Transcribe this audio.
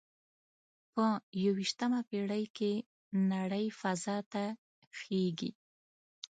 په یوویشتمه پیړۍ کې نړۍ فضا ته خیږي